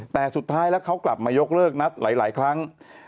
แต่สุดท้ายแล้วเขากลับมายกเลิกนัดหลายครั้ง